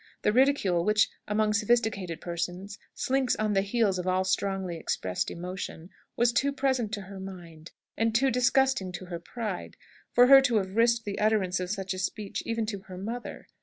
The ridicule which, among sophisticated persons, slinks on the heels of all strongly expressed emotion, was too present to her mind, and too disgusting to her pride, for her to have risked the utterance of such a speech even to her mother.